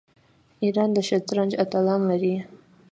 ایران د شطرنج اتلان لري.